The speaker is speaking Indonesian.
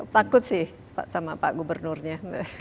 takut sih sama pak gubernurnya